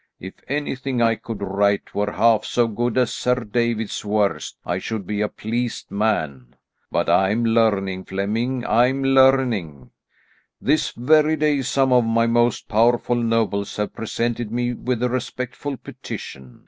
If anything I could write were half so good as Sir David's worst, I should be a pleased man. But I'm learning, Flemming, I'm learning. This very day some of my most powerful nobles have presented me with a respectful petition.